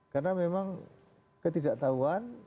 karena memang ketidaktahuan